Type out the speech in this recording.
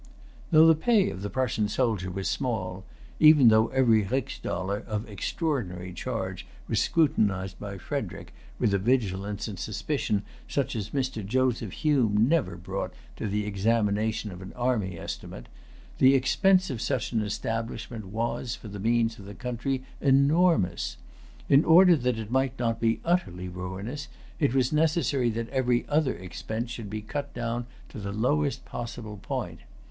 Though the pay of the Prussian soldier was small, though every rix dollar of extraordinary charge was scrutinized by Frederic with a vigilance and suspicion such as Mr. Joseph Hume never brought to the examination of an army estimate, the expense of such an establishment was, for the means of the country, enormous. In order that it might not be utterly ruinous, it was necessary that every other expense should be cut down to the lowest possible point.